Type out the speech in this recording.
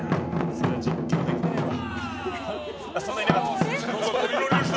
そりゃ実況できないわ。